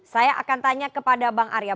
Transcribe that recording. saya akan tanya kepada bang arya